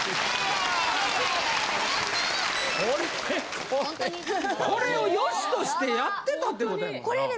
これこれを良しとしてやってたってことやもんな？